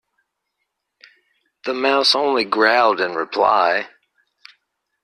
The Mouse only growled in reply.